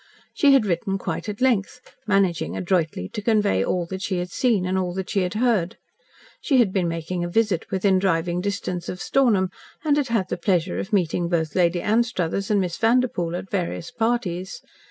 She had written quite at length, managing adroitly to convey all that she had seen, and all that she had heard. She had been making a visit within driving distance of Stornham, and had had the pleasure of meeting both Lady Anstruthers and Miss Vanderpoel at various parties.